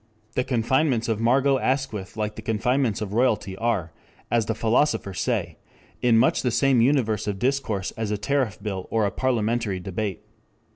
The confinements of Margot Asquith like the confinements of royalty are, as the philosophers say, in much the same universe of discourse as a tariff bill or a parliamentary debate.